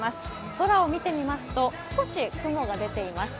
空を見てみますと、少し雲が出ています。